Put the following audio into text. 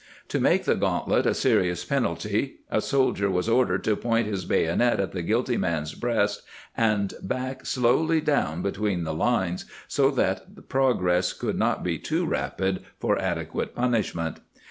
To make the gauntlet a serious penalty a soldier was ordered to point his bayonet at the guilty man's breast and back slowly down between the lines so that progress could not be too rapid for adequate punishment.